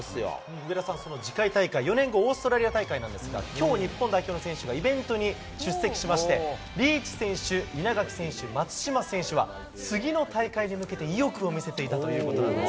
上田さん、その次回大会、４年後、オーストラリア大会なんですが、きょう、日本代表の選手がイベントに出席しまして、リーチ選手、稲垣選手、松島選手は、次の大会に向けて、意欲を見せていたということなんです。